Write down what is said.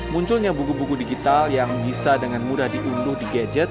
munculnya buku buku digital yang bisa dengan mudah diunduh di gadget